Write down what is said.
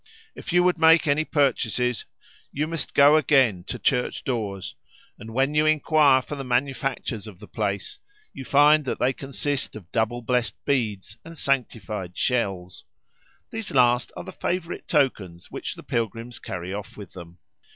If you would make any purchases, you must go again to the church doors, and when you inquire for the manufactures of the place, you find that they consist of double blessed beads and sanctified shells. These last are the favourite tokens which the pilgrims carry off with them.